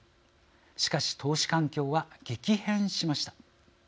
しかし、投資環境は激変しました。